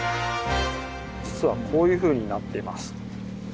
実はこういうふうになっています。